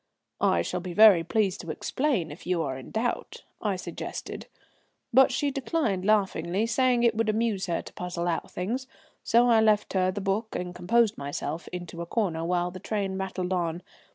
"I shall be very pleased to explain if you are in doubt," I suggested; but she declined laughingly, saying it would amuse her to puzzle out things, so I left her the book and composed myself into a corner while the train rattled on.